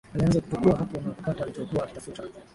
Alianza kupekua hapo na kupata alichokua akitafuta